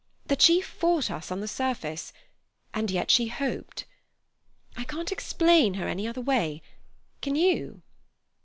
That she fought us on the surface, and yet she hoped. I can't explain her any other way. Can you?